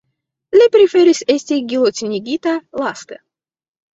Li preferis esti gilotinigita laste.